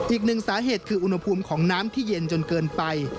อีกหนึ่งสาเหตุคืออุณหภูมิของน้ำที่เย็นจนเกินไป